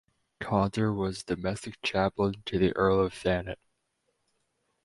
Caunter was Domestic Chaplain to the Earl of Thanet.